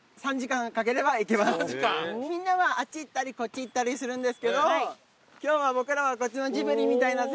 みんなはあっち行ったりこっち行ったりするんですけど今日は僕らはこっちの。